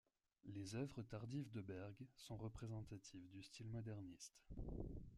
Les œuvres tardives de Berg son représentatives du style moderniste.